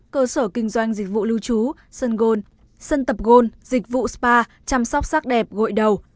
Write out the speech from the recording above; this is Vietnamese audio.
cơ sở kinh doanh dịch vụ lưu trú sân gôn sân tập gôn dịch vụ spa chăm sóc sắc đẹp gội đầu